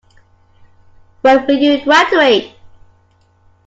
When will you graduate?